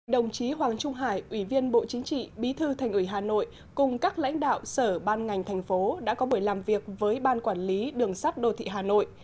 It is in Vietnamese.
đồng chí hoàng trung hải ủy viên bộ chính trị bí thư thành ủy hà nội cùng các lãnh đạo sở ban ngành thành phố đã có buổi làm việc với ban quản lý đường sắt đô thị hà nội